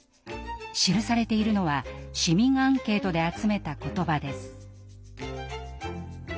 記されているのは市民アンケートで集めた言葉です。